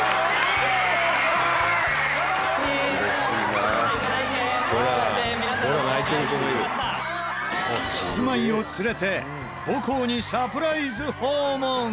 キスマイを連れて母校にサプライズ訪問！